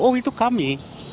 oh itu kami